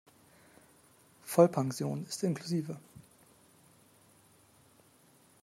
Vollpension ist inklusive.